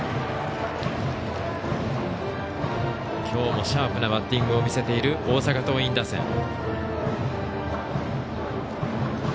きょうもシャープなバッティングを見せている大阪桐蔭打線。